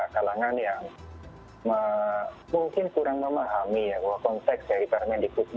saat ini ada beberapa kalangan yang mungkin kurang memahami bahwa konteks dari permendikbud ini